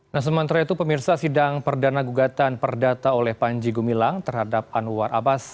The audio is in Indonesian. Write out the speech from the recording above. nah sementara itu pemirsa sidang perdana gugatan perdata oleh panji gumilang terhadap anwar abbas